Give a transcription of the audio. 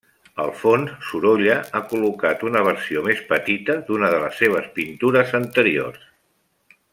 Al fons, Sorolla ha col·locat una versió més petita d'una de les seves pintures anteriors.